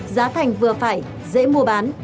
giá thành vừa phải dễ mua bán